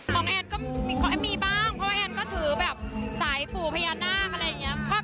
ม้องแอนก็มีบ้างเพราะแอนก็ถือแบบสายผูพยานาคอะไรอย่างเงี้ย